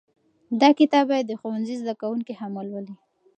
دا کتاب باید د ښوونځي زده کوونکي هم ولولي.